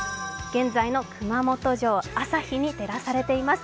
現在の熊本城、朝日に照らされています。